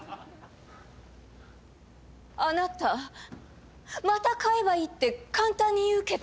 あなたまた買えばいいって簡単に言うけど。